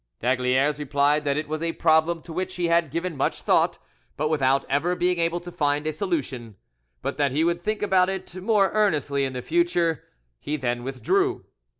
D'Aygaliers replied that it was a problem to which he had given much thought, but without ever being able to find a solution, but that he would think about it more earnestly in future. He then withdrew.